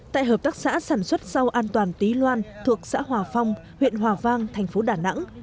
tại hợp tác xã sản xuất rau an toàn tý loan thuộc xã hòa phong huyện hòa vang thành phố đà nẵng